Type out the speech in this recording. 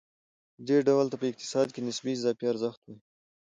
دې ډول ته په اقتصاد کې نسبي اضافي ارزښت وايي